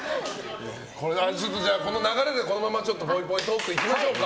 この流れでこのまま、ぽいぽいトークいきましょうか。